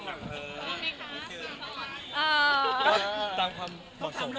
ก็ตามความเหมาะสม